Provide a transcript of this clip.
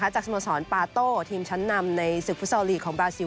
สโมสรปาโต้ทีมชั้นนำในศึกฟุตซอลลีกของบราซิล